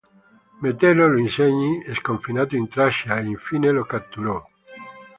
Metello lo inseguì, sconfinando in Tracia, e infine lo catturò.